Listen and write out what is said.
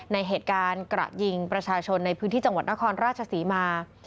ในเหตุการณ์กระยิงประชาชนในพื้นที่จังหวัดนครราชศรีมา